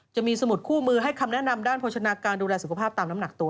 จะมีสมุดคู่มือให้คำแนะนำด้านโภชนาการดูแลสุขภาพตามน้ำหนักตัว